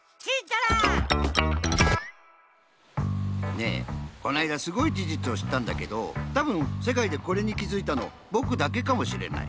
ねえこのあいだすごいじじつをしったんだけどたぶんせかいでこれにきづいたのぼくだけかもしれない。